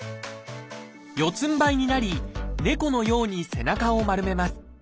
四つんばいになり猫のように背中を丸めます。